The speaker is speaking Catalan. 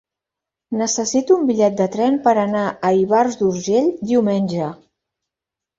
Necessito un bitllet de tren per anar a Ivars d'Urgell diumenge.